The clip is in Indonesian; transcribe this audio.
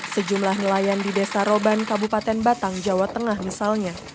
sejumlah nelayan di desa roban kabupaten batang jawa tengah misalnya